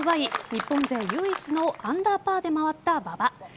日本勢唯一のアンダーパーで回った馬場。